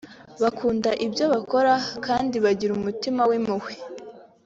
bakunda ibyo bakora kandi bagira umutima w’impuhwe